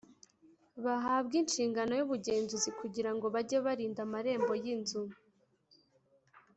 bahabwe inshingano y ubugenzuzi kugira ngo bajye barinda amarembo y inzu